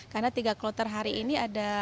karena tiga kloter hari ini ada